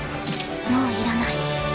もういらない。